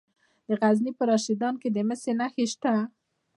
د غزني په رشیدان کې د مسو نښې شته.